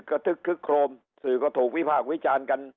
ทึกคึกโครมสื่อก็ถูกวิพากษ์วิจารณ์กัน